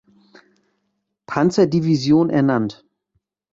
Panzerdivision ernannt.